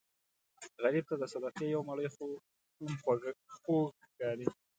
غریب ته د صدقې یو مړۍ هم خوږ ښکاري